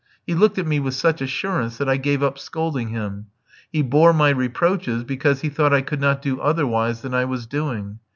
He looked at me with such assurance that I gave up scolding him. He bore my reproaches because he thought I could not do otherwise than I was doing.